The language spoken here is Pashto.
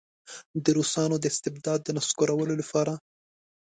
د روسانو د استبداد د نسکورولو لپاره.